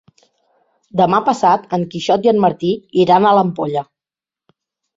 Demà passat en Quixot i en Martí iran a l'Ampolla.